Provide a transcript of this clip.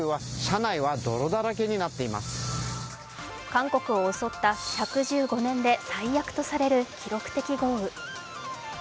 韓国を襲った１１５年で最悪とされる記録的豪雨。